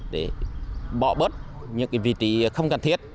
để bỏ bớt những vị trí không cần thiết